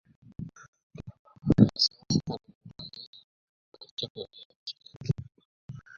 Raisimiz qo‘limdagi makkapoyaga yopishdi.